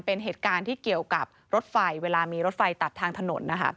เป็นเหตุการณ์ที่เกี่ยวกับรถไฟเวลามีรถไฟตัดทางถนน